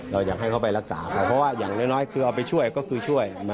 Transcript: เราอยากให้เขาไปรักษาเขาเพราะว่าอย่างน้อยคือเอาไปช่วยก็คือช่วย